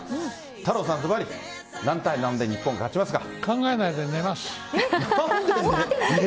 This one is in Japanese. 太郎さん、ずばり何対何で日本が勝ちますか？